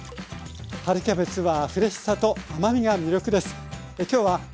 春キャベツはフレッシュさと甘みが魅力です。